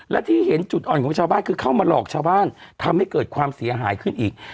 และที่เห็นจุดอ่อนของชาวบ้านคือเข้ามาหลอกชาวบ้านทำให้เกิดความเสียหายขึ้นอีก